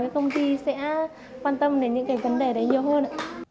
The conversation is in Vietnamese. công ty sẽ quan tâm đến những cái vấn đề đấy nhiều hơn